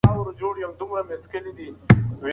ماشوم په یوازې توب کې خفه کېږي.